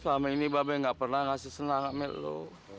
selama ini babe gak pernah ngasih senang amat lo